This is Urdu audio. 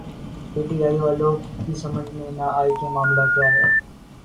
پی ٹی آئی والوں کی سمجھ میں نہ آئی کہ معاملہ کیا ہے۔